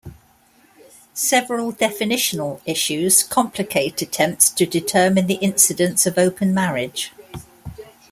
Several definitional issues complicate attempts to determine the incidence of open marriage.